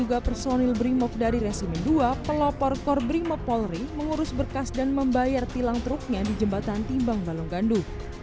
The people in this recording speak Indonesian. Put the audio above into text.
yang diduga personil brimop dari resimen dua pelopor kor brimop polri mengurus berkas dan membayar tilang truknya di jembatan timbang bualonggandu